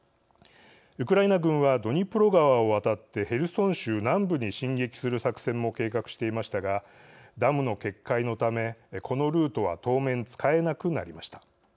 ウクライナ軍はドニプロ川を渡ってヘルソン州南部に進撃する作戦も計画していましたがダムの決壊のためこのルートは当面使えなくなりました。